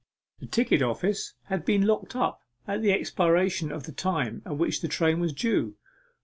The ticket office had been locked up at the expiration of the time at which the train was due.